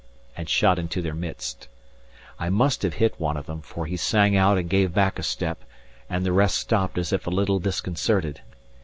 and shot into their midst. I must have hit one of them, for he sang out and gave back a step, and the rest stopped as if a little disconcerted.